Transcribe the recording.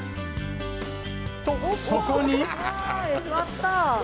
と、そこに。